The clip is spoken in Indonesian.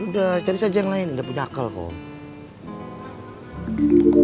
udah cari saja yang lain udah punya akal kok